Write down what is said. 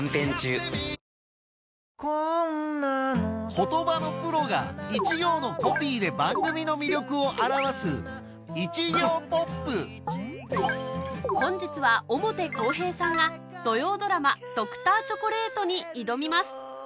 言葉のプロが一行のコピーで番組の魅力を表す本日は表公平さんが土曜ドラマ『Ｄｒ．チョコレート』に挑みます